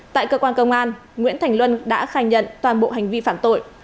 tại cơ quan công an nguyễn thành luân đã khai nhận toàn bộ hành vi phạm tội